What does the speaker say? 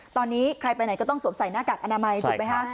ตอนนี้ใครไปไหนก็ต้องสวมใส่หน้ากากอนามัยถูกไหมคะ